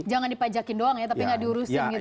jangan dipajakin doang ya tapi nggak diurusin gitu